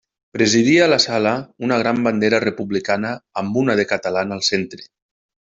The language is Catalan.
Presidia la sala una gran bandera republicana amb una de catalana al centre.